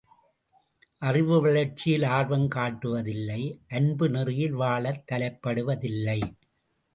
அறிவு வளர்ச்சியில் ஆர்வம் காட்டுவ தில்லை அன்பு நெறியில் வாழத் தலைப்படுவதில்லை!